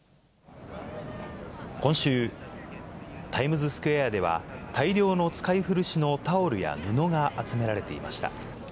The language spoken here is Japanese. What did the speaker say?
今週、タイムズスクエアでは大量の使い古しのタオルや布が集められていました。